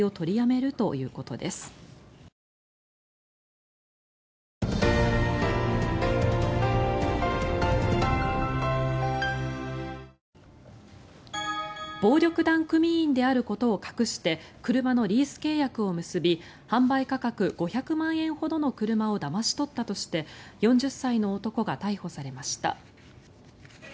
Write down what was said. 酒類の販売を中止するのはドン・キホーテの渋谷店で暴力団組員であることを隠して車のリース契約を結び販売価格５００万円ほどの車をだまし取ったとして４０歳の男が逮捕されました。